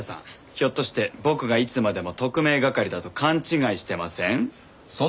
ひょっとして僕がいつまでも特命係だと勘違いしてません？